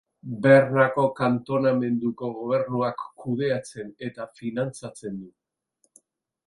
Bernako kantonamenduko gobernuak kudeatzen eta finantzatzen du.